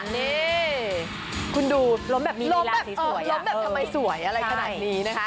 นี่คุณดูล้มแบบทำไมสวยอะไรขนาดนี้นะฮะ